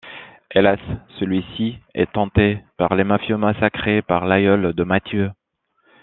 Hélas, celui-ci est hanté par les mafieux massacrés par l'aïeul de Matthew.